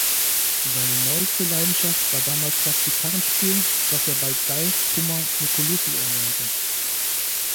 Seine neueste Leidenschaft war damals das Gitarrenspiel, das er bei Guy Kummer-Nicolussi erlernte.